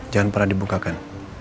jangan pernah dibukakan